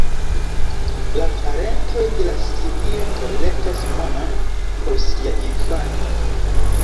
La parentoj de la simio kolektas monon por sia infano.